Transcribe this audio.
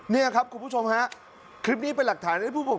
นี่ครับคุณผู้ชมคลิปนี้เป็นหลักฐาน